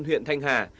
huyện thanh hà